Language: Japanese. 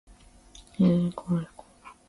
ちんすこうすこ